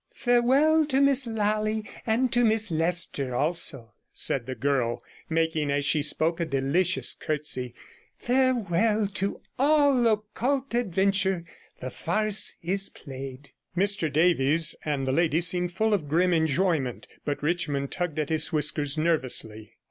'Farewell to Miss Lally, and to Miss Leicester also,' said the girl, making as she spoke a delicious curtsy. 'Farewell to all occult adventure; the farce is played.' Mr Davies and the lady seemed full of grim enjoyment, but Richmond tugged at his whiskers nervously.